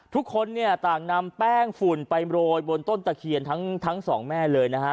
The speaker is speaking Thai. ทุกคนเนี่ยต่างนำแป้งฝุ่นไปโรยบนต้นตะเคียนทั้งสองแม่เลยนะฮะ